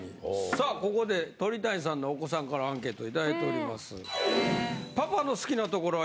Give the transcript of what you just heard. さあここで鳥谷さんのお子さんからアンケートをいただいております。